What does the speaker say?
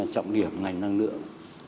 trọng điểm ngành năng lượng